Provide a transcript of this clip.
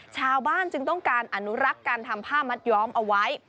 ชาวบ้านจึงต้องการอนุรักษ์การทำผ้ามัดย้อมเอาไว้